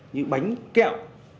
như bánh kẹo